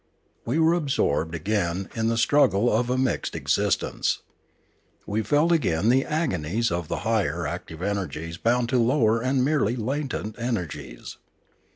We were absorbed again in the strug gle of a mixed existence; we felt again the agonies of the higher active energies bound to lower and merely latent energies.